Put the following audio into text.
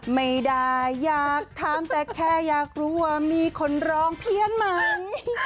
ไม่ได้อยากถามแต่แค่อยากรู้ว่ามีคนร้องเพี้ยนไหม